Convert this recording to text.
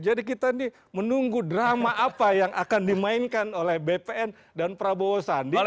jadi kita menunggu drama apa yang akan dimainkan oleh bpn dan prabowo sandi